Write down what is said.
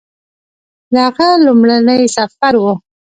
د هغه لومړنی سفر و